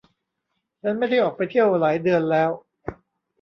ฉันไม่ได้ออกไปเที่ยวหลายเดือนแล้ว